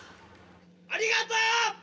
ありがとう！